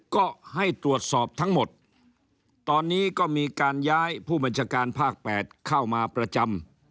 ก็ให้ตรวจสอบทั้งหมดตอนนี้ก็มีการย้ายผู้บัญชาการภาค๘เข้ามาประจำ